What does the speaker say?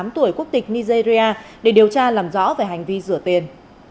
hai mươi tám tuổi quốc tịch nigeria để điều tra làm rõ về hành vi rửa tiền